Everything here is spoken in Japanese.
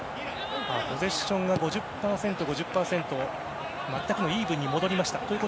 ポゼッションが５０％、５０％と全くのイーブンに戻りました。